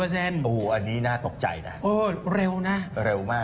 อันนี้น่าตกใจนะโอ้เร็วนะเร็วมาก